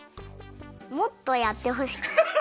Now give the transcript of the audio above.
もっとやってほしかった。